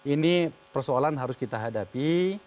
ini persoalan harus kita hadapi